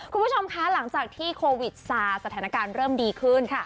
คุณผู้ชมคะหลังจากที่โควิดซาสถานการณ์เริ่มดีขึ้นค่ะ